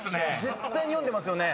絶対に読んでますよね。